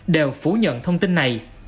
đều phủ nhận thông tin này